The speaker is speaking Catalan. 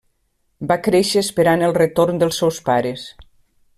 Va créixer esperant el retorn dels seus pares.